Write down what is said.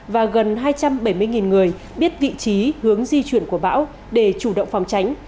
và gần hai trăm bảy mươi người biết vị trí hướng di chuyển của bão để chủ động phòng tránh